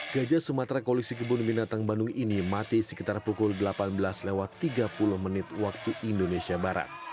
gajah sumatera koleksi kebun binatang bandung ini mati sekitar pukul delapan belas lewat tiga puluh menit waktu indonesia barat